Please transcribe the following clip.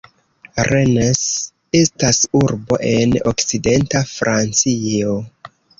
Rennes estas urbo en okcidenta Francio.